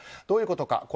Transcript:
どういうことか。